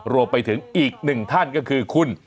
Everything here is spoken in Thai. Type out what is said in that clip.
รวมไปถึงอีกหนึ่งท่านก็คือคุณ